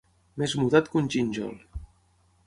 Més mudat que un gínjol.